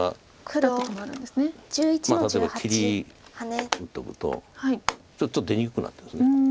例えば切り打っとくとちょっと出にくくなってます。